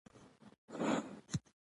خولۍ د پښتني غرور ښکارندویي کوي.